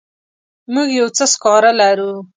موږ یو څه سکاره لرو.